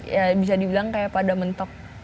ya bisa dibilang kayak pada mentok